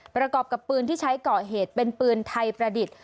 ประกอบกับปืนที่ใช้ก่อเหตุเป็นปืนไทยประดิษฐ์